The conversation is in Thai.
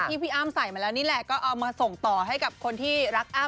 พี่อ้ำใส่มาแล้วนี่แหละก็เอามาส่งต่อให้กับคนที่รักอ้ำ